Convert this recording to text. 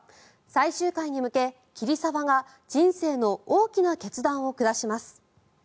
最終回に向け、桐沢が人生の大きな決断を下します。